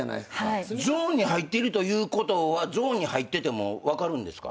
ゾーンに入ってるということはゾーンに入ってても分かるんですか？